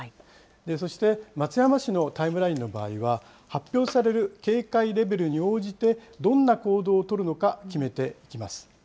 そして、松山市のタイムラインの場合は、発表される警戒レベルに応じて、どんな行動を取るのか決めます。